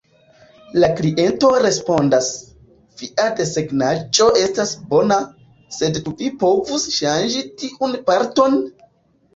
La kliento respondas: "Via desegnaĵo estas bona, sed ĉu vi povus ŝanĝi tiun parton?".